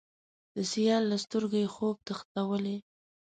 د سیال له سترګو یې، خوب تښتولی